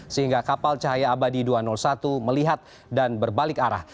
sehingga kapal cahaya abadi dua ratus satu melihat dan berbalik arah